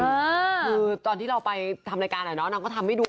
คือตอนที่เราไปทำรายการแหละเนอะน้องก็ทำให้ดูอร่อย